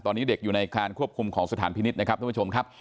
ตอนนี้เด็กอยู่ในการควบคุมของสถานพินิษฐ์นะครับท่านผู้ชมครับ